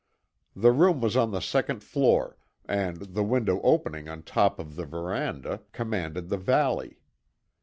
The room was on the second floor, and the window opening on top of the veranda, commanded the valley.